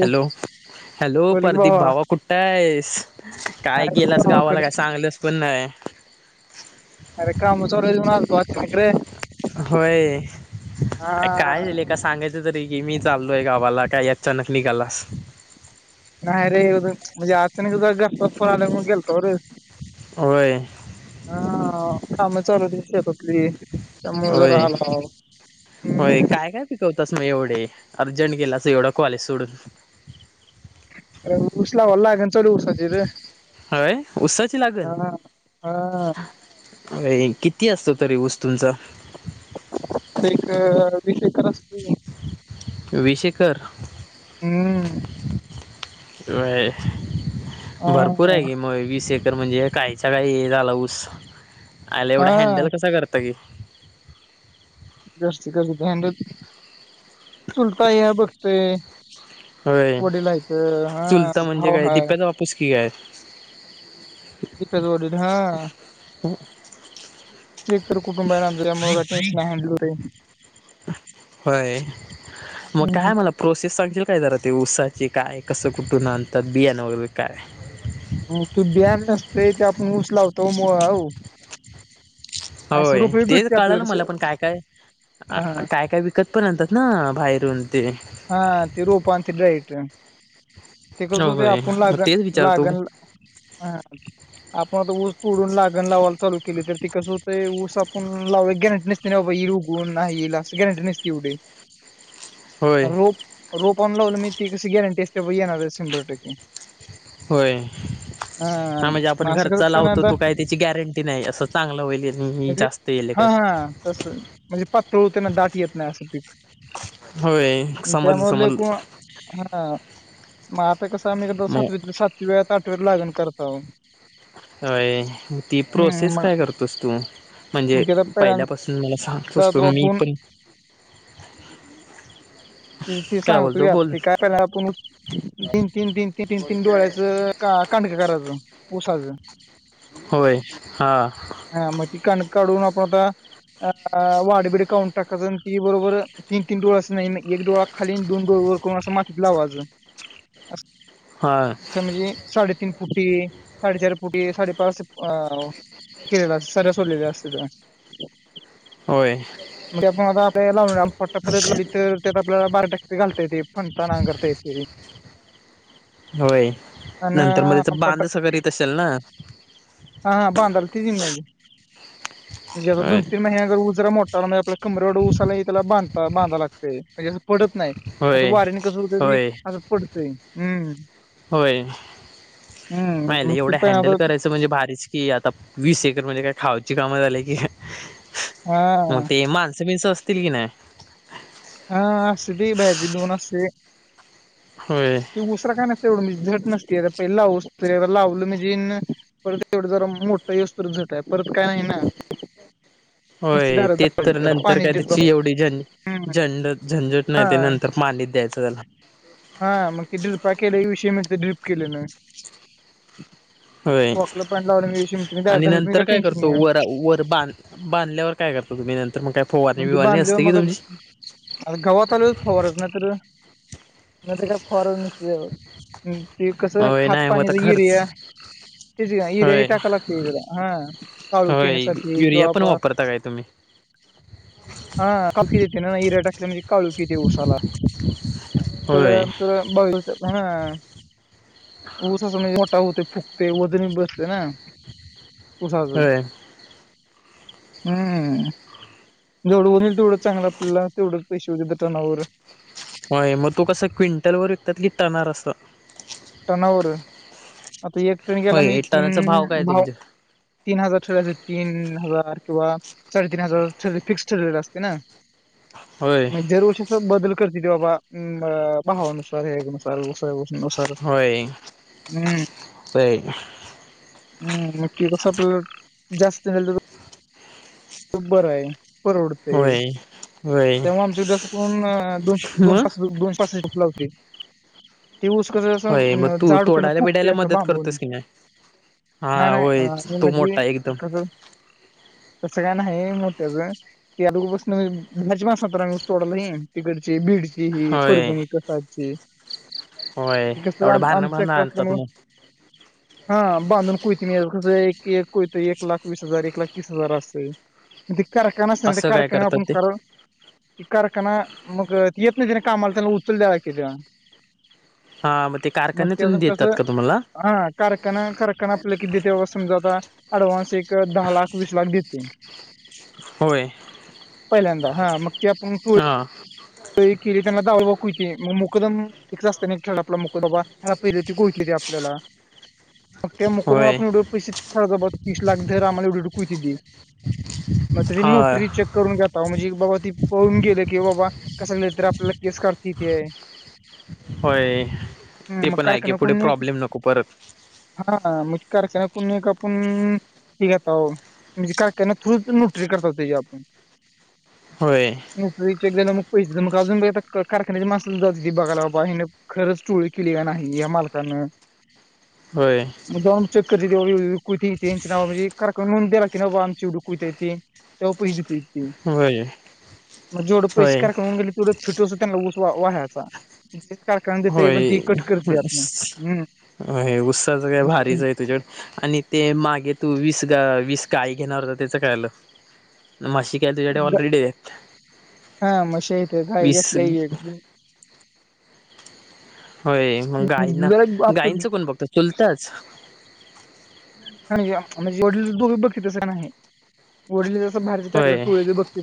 Hello hello बोल की परदीप भावा कुठ आहेस. काय आहे गेलंस गावाला भावाकडे काय चांगलंस पण नाही. अरे क्रम सव मतो वाचक रे. होय हा काय झालं का सांगायचं तरी. गी मी चालोय गावाला काय अचानक निघालास. नाही रेून म्हणजे अचाने ज घस्तात फोन आल्या मग गेलतो रे. हो. हा काम चालूती ह शेप आपली. त्या मज होय राहला हम्. होतास म एवढे अर्जंट गेलास एवढं कॉलेज सोडून अ ऊस लावलोय लागण चालू ऊसची र. हय उसाची लागन हा व्हय. किती असतो तरी ऊस तुमचं? त एक वीस एकर असतो की. विस एकर. हम्म. व्हय भरपूर आहे हा की मग वीस एकर म्हणजे काहीचा काही हे झाला ऊस आयेला एवढा हँडल हा कसा करतं की जास्ती च कुठं चुलता हाया बघतोय. होय वडील हाईत हा चुलता म्हणजे भाऊ काय हाय. दिप्याचा बापूस की काय? [unintelligible] कुंबा आहे म मुळे काया टेन्शन नाही हॅण्डल होतंय. होय मग काय मला प्रोसेस सांगशील काय जरा. ते ऊसाचे काय कसं कुठून आणतात बियाण वगैरे काय? तू बियान नसतय ते आपण उस लावतो म होय तेच कळालं मला आपल्याला पण काय काय हा काय काय विकत पण आणतात ना बाहेर हा ते रोप आणत्यात डायरेक्ट तिक सुध होय आपण मग लाग तेच विचारतो लागण आपण ऊस तोडून लागण लावायला चालू केली तर ती कसं होतंय ऊस आपून लावय गॅरंटी नसते ना बाबा ईल उगवून नाही लास्ट गॅरंटी नसती एवढी. [unintelligible] रोप रोप आणून लावलं मी ती कशी गॅरंटी असते व येणार शंभर टक्के. होय. हा म्हणजे आपण असं घरचा करत पण लावतो आता तू काय त्याची गॅरंटी नाही असं चांगलं होईल म म्हणजे जास्त येल. हा हा तस म्हणजे पातळ होतोय त्यांना दाट येत नाही असं पीक. होय समजल त्यामुळे समजल. लेकू हा मग आता कसं आम्ही एक सातवी सातव्यात आठव्या त लागण करताव. व्हय ती हम्म प्रोसेस मग काय करतोस तू म्हणजे मग त्याला पहिल्यांदा पहिल्यापासून मला सांग सस्त तो मी आपण पण. ते काय सांगतो बोलतो घे बोल ते काय आपण तीन तीन तीन तीन तीन तीन डोळ्याचं का काडंक करायच ऊसाचं होय हां. हा मग त काडंक काढून आपण आता अ वाड बिडे काढून टाकायचं आणि ती बरोबर तीन तीन डोळसं नाही एक डोळा खालील दोन डोळे वर करून अस मातीत लावायचं. हा समजे साडे तीन पुटी साडे चार पुटी साडे पाच अ केलेला सऱ्या सोडलेले असत्यात व्हय. म्हणजे आपण आता ते पट्टा पद्धत लावली तर त्यात आपल्याला बारा टाके घालता येत फणता नांगरता येतेय. [unintelligible] होय नंतर मध्येच आणि पट बांध सगत असेल ना. हा बांधायला ती मग म्हणजे आता होय दोन तीन महिन्या तर ऊस जरा मोटा म्हणज आपल्या कमरे‌एवढा ऊस आला त्याला बांध बांधाय लागते म्हणजे पडत नाही आता होय वारीने कस होत ते होय असं पडतय हम्म्. होय हम्म मायला मग ते एवढं पण हँडल आता करायचं म्हणजे भारीच. कि आता वीस एकर म्हणजे काय खावाची कामं झाली की काय. मग हा. ते माणसं बिणस असतील कि नाही. हा असस ती बाहेरची दोन असतंय. होय ती उसरा काय नस एवढं म्हणजे झट नस पहिस्त लावलं म्हणजे पर तेवढं जरा मोठ यवस्त झटय परत काय? ना होय तेच तर रदार नंतर पाणी काय देतो त्याची एवढी झं हम्. झंड झंझट हा नाही ते नंतर पाणी द्यायचं त्याला हा मग किड पाकेट विषय मी ड्र्रीप केले ना. होय कॉकला पाणी लावल्या विषय मिळते दार आणि धरत मी नंतर काय टेन्शन करतो नाही वर वर बांध बांधल्यावर काय तुम् नंतर मग काय फोवारणी बिवारणी असते की तुमची आ गवातल फवार नाही तर का फवार ते कस होय खात नाही मग आता पाणीच खर्च यिरिया तेज ह रे ह होय टा का लागतला हह काळू होय केेणसाठीसाठी युरिया पण किवाबा वापरता काय [unintelligible] हाकी त यिरिया टाकल्याने काळूकी येते उसाला होय बघ. हा. ऊसच मुळ मोठा होतोय फुगतो वजनी - बसते ना. ऊसाचा होय हम्म जवढं उरल तेवढं चांगलं. तेवढेच पैसे होतय टणावर. होय मग तू कसं क्विंटल वर विकतात की टनारस टनावर आता एक टन गेला म होय तीन टनाचा काय भाव. तुमचे तीन हजार छोडच तीन हजार किंवा साडेतीन हजार फिक्स ठरलेले असते ना होय म दरवर्षी बदल कर. जतीबा उम भावानुसार हेुसार बसर बसरुसर होय होय. जास्तत. ख बर मे परवडतय. होय होय तेव्हा आमच्या मग डसश दो दोनशे होते. ते उस कसं होय असं मग तू जाड होतय तोडायला फुगतय बिडायला असं मदत मागून करतोस की नाही नाय हा नाय. होय तो मोठा एकदम मोठ्याच अोपास भाज मा अस रंग तोडाला तिकडचे बीड हि ही होय परभणी कसाची होय कस एवढं भारणं आमचं भारणं चक्र आणतात असल्यामु मग हा. बांधून कोयती मी कसं एक कोयत एक लाख वीस हजार एक लाख तीस हजार असत. कडक्या नसण्या ते असं काय काडक्याने आपण करतात ते कर. क कारखाना मग येत नाही तिने कामाला त्यांना उचल द्याला कि ते हा मग ते कारखान्यातून अजून देतात कसं का तुम्हाला हा कारखाना कारखाना आपल्याला किती देते समजा आता ऍडव्हान्स एक दहा लाख वीस लाख देते. होय. पहिल्यांदा हा मग हा. केले त्यांना दव बक होती मग मुकदम फिकच असतं ना खेळ आपला मुकदबा ह पहिले त कोठली ते आपल्याला मग त्या मुकडदम होय आपण रोख पैसे थ ज तीस लाख आम्हाला एवढे कती दिस मग तुझी हा नोटरी चेक करून घ्याता म्हणजे बाबा ती पळून गेले की बाबा. कसं झालं तर आपल्याला केस काढत ते. होय ते मग पण आहे की कारखाना पुढे कोण एक प्रॉब्लेम नको परत, हा मिटकारच्या ना पुण एक का आपण ठीक आता म्हणजे कारखान्यात थोड न्यूट्री करत होते जे आपण होय न्यूट्रीचे एक पैसे तर मग अजून बघ कारखान्याचे मास ज बघाला बाबा हने खरच टोळ केलीला नाही या मालकान? ह. होय मुद्दाम चेक क तेवुकुती त्यां नाव म्हणजे कारखान्याला नोंद द्या लागते ना आमचीवडुकुथ ती तेव्हा पैसे देतीत, होय मग जेवढं पैसे होय कारखाना होऊन गेले तेवढं फिटतोसर वह्याचा होय. हम्म अ उत्साच काय भारीच आहे तुझ्याकड आणि ते मागे तू वीस वीस काय घेणार त्याच कायलं म्हशी काय तुझ्याकडे ऑलरेडी आहेत. हा. म्हशी आहेत गाय वीस लई आहेत. होय मग गायना जरा आपलं गायंचं कोण बघत चुलतच? आणि म्हणजे वडील दोघ बघित तसं काय नाही. वडील जसं बाहेरच होय टोळे बघती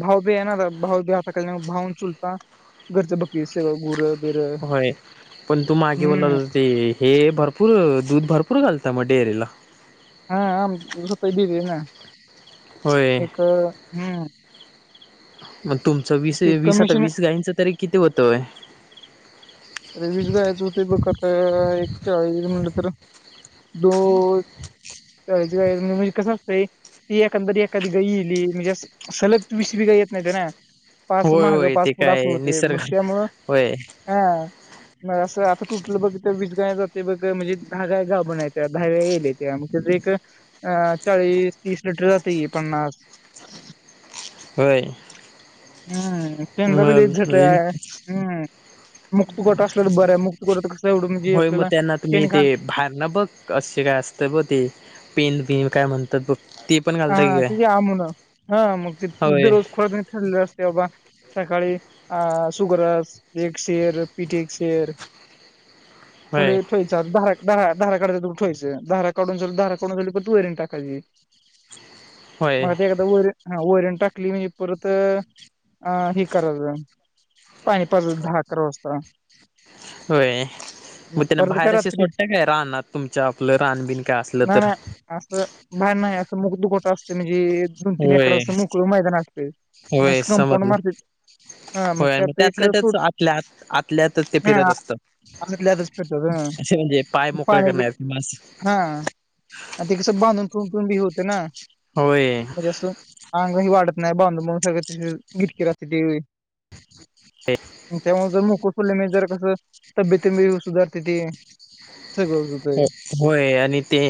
भाव बी आहे ना. भा आताकाळ भावून चुलता घरचं बघती स घुर होय पण तू मागे बोल ते हे भरपूर दूध भरपूर घालत. आ मट येरला हा आमसत द ना होय एक हम्म मग तुमचं वीस ते वीस आता कमिशन वीस गाईंच तरी किती होतय? रे वीस गायचं होते बघता एकच्या चाळीस म्हणलं तर दोच म्हणजे कसं असतंय? ती एकंदरी एखादी गाई येईली म्हणजे सलग वीसवी गा येत नाहीत ना. पाच होय महाग होय पाच ते पुुढ अस काय होते निसर्ग मग त्यामुळं होय हा मग असं आता तुटलं बघ तर वीज गाय जाते बघ म्हणजे दहा गा बणय आहेत्या दहाग्या येले त्या एक अ चाळीस, तीस लिटरआत पन्नास होय. हम्म. केंद्र बल मग झट आहे हम्म तसलंच बर आहे मुक्त गोराचं कसं एवढं म्हणजे होय मग आपल्याला त्यांना तुम्ही शेण ते खाणं भार ना बघ असे काय असत बघ ते पि ती काय म्हणतात ते पण हा घालता की ते काय आमण हा मग ते होय रोज खोरत ठरलेले असते बाबा. सकाळी अ शुगर एक शेर, पिठे शेर होय फुले ठोयचा बारा धारा काढाय तू ठेवायचं धारा काढून धारा काढून झाली पण तू वैरण टाकायची. होय मग ते एगदा वर वैरण टाकली म्हणजे परत अं हे कराच पाणी पाजायचं दहा, अकरा वाजता. होय. मग त्यांना परत काय बाहेरशी रात्री सोडत काय रानात तुमच आपलं रानबिन काय असलं तर मुक दुकोटा असते, म्हणजे दोन, तीन अकरा होय असत मोकळ मैदान असते. न होय अशी कंपाउंड समजलं मारती. हा होय आणि मग मुख्यत एक त्यातल्या त्याच सूट आतल्या आतल्यातच ते फिरत असतात हत असे म्हणजे पाय [unintelligible] मोकळे पाणी करणार किंवा असं हा ते कस बांधून टून टून बी हो ना होय म्हणजे अस अंगही वाढत नाही बांध म् गटकी राहते ते त्यामुळ जर मुक सोडले म जर कसं तब्येतबी सुधारती ती. हो होय आणि ते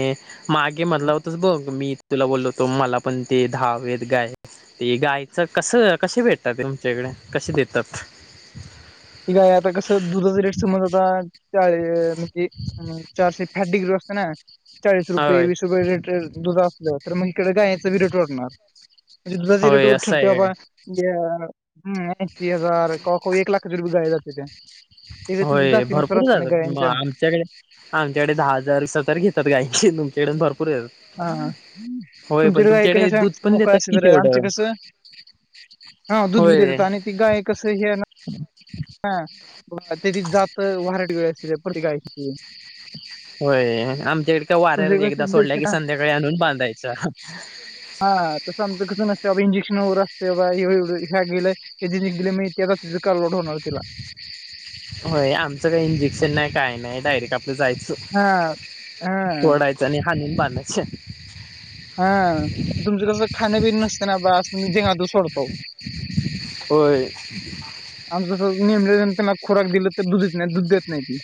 मागे म्हणाला होतास बघ मी तुला बोलल होतो मला पण ते धावेत गाय ते गायचं कसं कसे भेटतात ते तुमच्याकडे? कसे देतात? त काय आता कसं दुधाचा रेट समज आता चार म्हणजे चारशे फहाठ डग्री वाजते ना चाळीस रुपये होय वीस रुपये रेट दुध असलं तर मग इकडे गायचा बिरटरणार म्हणजे तुझा होय जिरटोवर असं आहे ठरते काय बाबा हम् ऐंशी हजार एक लाखा रुपये गाय जाति ते त्यांच्या होय जातीनुसार भरपूर असतं ना जातात गायांच्या आमच्याकडे आमच्याकडे दहा हजार सजार घेतात गाय तुमच्याकडे भरपूर र हा हा होय पण गाय कशा तुमच्याकडे दूध अशा पण मोकळ्या देतात असतात कि बरं तेवढं. आमचे कसं हा दूध बी देतात होय.. गाय कसं हे आहे ना हा ते ती जात वारट वेळी असते ते प्रतिकाशी होय आमच्याकड का वाऱ्या एकदा सोडल्या की तुमच्याकडे संध्याकाळी आणून बांधायचं हा तर समतं कसं नसते बाबा इंजेक्शन वगैरे असते बाव ह्या गेलंय हेे नि गेले माहि होय, आमचं काही इंजेक्शन नाही काय नाही डायरेक्ट जायचं हा हा फोडायचं आणि हाणून बांधायचं. हा तुमचं कसं खाणेपिणी नसते ना बा अस जेंगातून सोडतो. होय नेम त्यांना खोराक दिला तर दुधच नाही दूध देत नाही.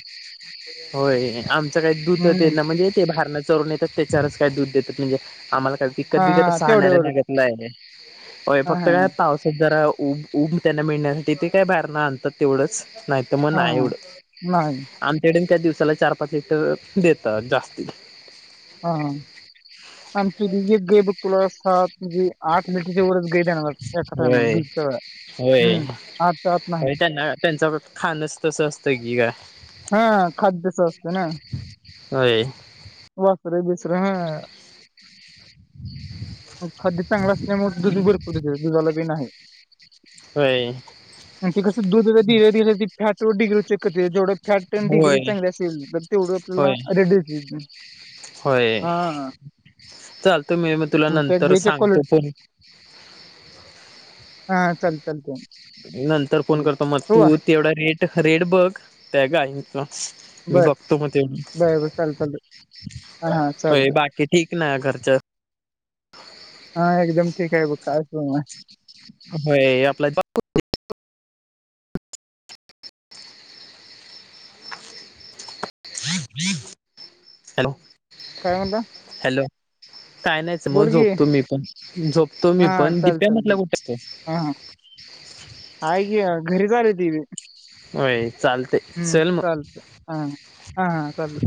होय आमचं काही दूध हम्म ना म्हणजे ते भारण चरून येतात त्याच्यावरच काय दूध देतात. म्हणजे आमला तिकत हा हा बिकतह तेवढ्यावरच लाग आहे हा फक्त हा काय पावसात जरा उ ऊब उब त्यांना मिळण्यासाठी ते काय बाहेरना आणतात तेवढंच. नाही तर मग हा नाही हा. एवढं. नाही आ... त्या दिवसाला चार पाच इट देतात जास् हा आमची यग आहे बघ तुला सात म्हणजे आठ मिनटच्या वच ग ए होय द होय त्यांना त्यांच खाणच तसं असतं की का हा खाद्य सस्त ना होय बसर बसर ह मग खादी चांगलाच नाही मग दुधी भरपर दुधाला बिन आहे होय ते कस दूध फॅट डिग्री कर जवढ फॅक्ट अन डिग्री होय चांगली असेल तर तेवढं आपल्याला होय रेड होय चालतो मी म तुला मग त्या नंतर गाईच्या सांगतो क्वालिटी पण हा ल लते नंतर फोन करतो, मग तू तेवढा रेट रेट बघ त्या का मी बर बघतो मग तेव बर बर चालेल चालेल हा हा हो चालतंय बाकी ठीक ना खर्च हा एकदम ठीक आहे ब कायच हो आपला हॅलो काय म्हणता? हॅलो काय नाहीच मग, झोपतो मी पण... झोपतो मी हा पण. चालेल दीप्या चालते म्हटलं कुठच? ह घरी सल तीवी ओय हम्म चालत हा हा हा चाल